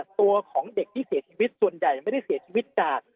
ตัวของเด็กที่เสียชีวิตส่วนใหญ่ไม่ได้เสียชีวิตจาก